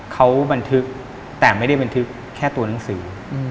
เขาบันทึกแต่ไม่ได้บันทึกแค่ตัวหนังสือ